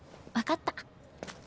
分かった。